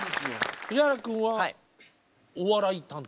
藤原くんはお笑い担当？